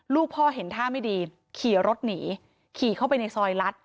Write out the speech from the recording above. ลูกพ่อเห็นท่าไม่ดีขี่รถหนีขี่เข้าไปในซอยรัฐ